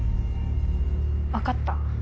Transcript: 分かった。